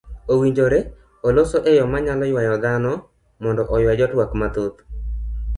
owinjore olose eyo manyalo yuayo dhano mondo oyua jotwak mathoth.